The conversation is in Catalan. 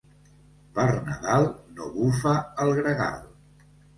Per Nadal no bufa el gregal.